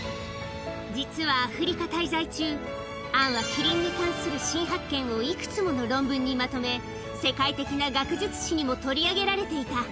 実はアフリカ滞在中、アンはキリンに関する新発見をいくつもの論文にまとめ、世界的な学術誌にも取り上げられていた。